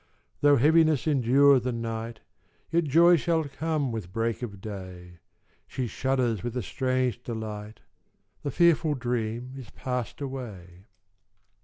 Though heaviness endure the night, Yet joy shall come with break of day: She shudders with a strange delight The fearful dream is pass'd away.